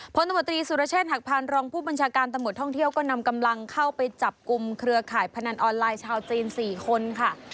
ตมตรีสุรเชษฐหักพานรองผู้บัญชาการตำรวจท่องเที่ยวก็นำกำลังเข้าไปจับกลุ่มเครือข่ายพนันออนไลน์ชาวจีน๔คนค่ะ